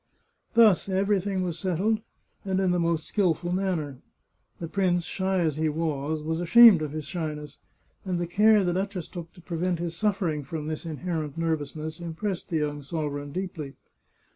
Thus everything was settled, and in the most skilful manner. The prince, shy as he was, was ashamed of his shyness, and the care the duchess took to prevent his suffering from this inherent nervousness impressed the young sovereign deeply.